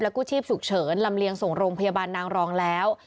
กู้ชีพฉุกเฉินลำเลียงส่งโรงพยาบาลนางรองแล้ว